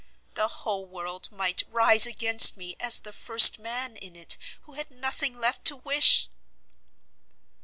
The whole world might rise against me as the first man in it who had nothing left to wish!"